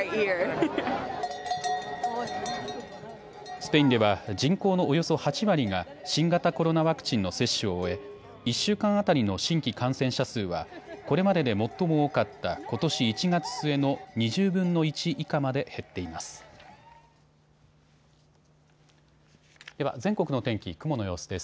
スペインでは人口のおよそ８割が新型コロナワクチンの接種を終え１週間当たりの新規感染者数はこれまでで最も多かったことし１月末の２０分の１以下まで減っています。